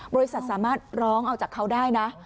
บริษัทสามารถร้องเอาจากเขาได้นะ